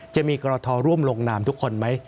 จะมีกรทร่วมลงนามทุกคนไหม